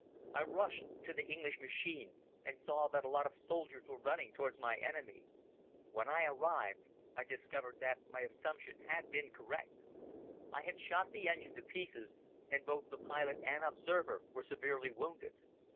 I rushed to the English machine and saw that a lot of soldiers were running towards my enemy. When I arrived I discovered that my assumption had been correct. I had shot the engine to pieces and both the pilot and observer were severely wounded.